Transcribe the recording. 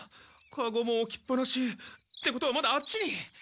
カゴもおきっぱなし。ってことはまだあっちに。